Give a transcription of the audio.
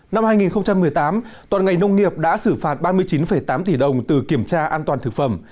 năm hai nghìn một mươi tám toàn ngành nông nghiệp đã xử phạt ba mươi chín tám tỷ đồng từ kiểm tra an toàn thực phẩm